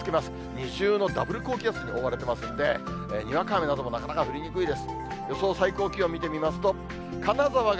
二重のダブル高気圧に覆われていますので、にわか雨などもなかなか降りにくいです。